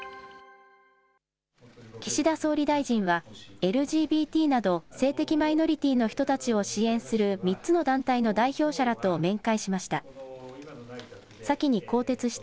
岸田総理大臣は、ＬＧＢＴなど性的マリノリティーの人たちを支援する３つの団体の代表者らと面会しました。